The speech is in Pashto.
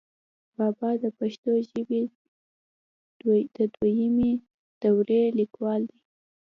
بابا دَپښتو ژبې دَدويمي دورې ليکوال دی،